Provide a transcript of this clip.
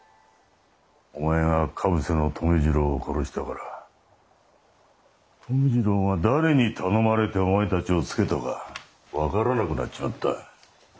お前が鹿伏の留次郎を殺したから留次郎が誰に頼まれてお前たちをつけたか分からなくなっちまった。